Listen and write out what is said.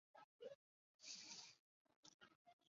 前十名的单曲是第一次的记录。